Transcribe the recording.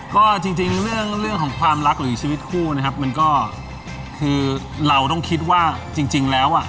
ก็จริงเรื่องของความรักหรือชีวิตคู่นะครับมันก็คือเราต้องคิดว่าจริงแล้วอ่ะ